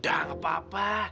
udah nggak apa apa